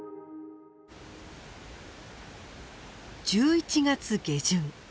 １１月下旬。